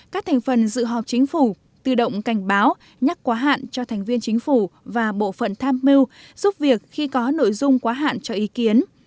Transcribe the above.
các thành phần dự họp chính phủ tự động cảnh báo nhắc quá hạn cho thành viên chính phủ và bộ phận tham mưu giúp việc khi có nội dung quá hạn cho ý kiến